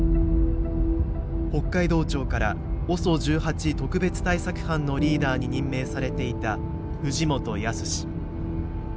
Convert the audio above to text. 北海道庁からＯＳＯ１８特別対策班のリーダーに任命されていた藤本靖。